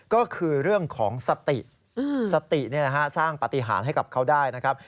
ก็คือเรื่องของสติสติสร้างปฏิหารให้กับเขาได้นะครับ